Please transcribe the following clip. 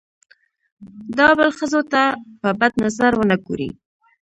د بل ښځو ته په بد نظر ونه ګوري.